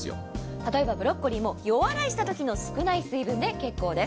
例えばブロッコリーも予洗いしたときの少ない水分で結構です。